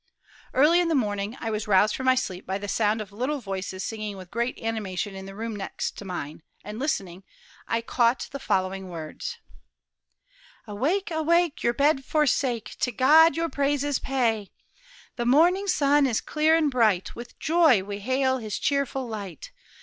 Early in the morning I was roused from my sleep by the sound of little voices singing with great animation in the room next to mine, and, listening, I caught the following words: "Awake! awake! your bed forsake, To God your praises pay; The morning sun is clear and bright; With joy we hail his cheerful light.